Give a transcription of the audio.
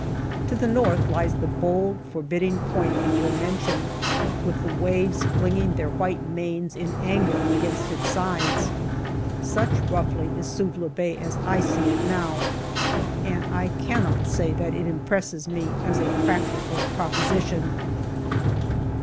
To the north lies the bold, forbidding point, before mentioned, with the waves flinging their white manes in anger against its sides. Such, roughly, is Suvla Bay as I see it now, and I cannot say that it impresses me as a practical proposition.